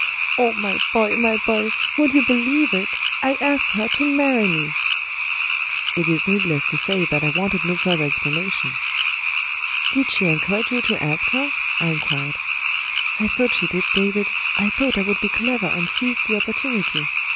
Oh, my boy! my boy! would you believe it? I asked her to marry me!" It is needless to say that I wanted no further explanation. "Did she encourage you to ask her?" I inquired. "I thought she did, David I thought I would be clever and seize the opportunity.